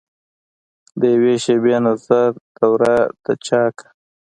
دیوي شیبي نظر دوره دچاکه